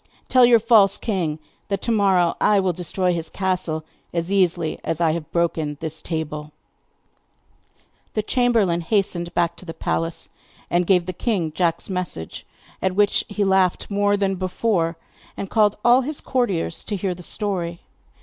'Tell your false king that to morrow I will destroy his castle as easily as I have broken this table.' The chamberlain hastened back to the palace, and gave the king Jack's message, at which he laughed more than before, and called all his courtiers to hear the story.